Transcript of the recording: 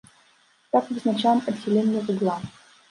Так вызначаем адхіленне вугла.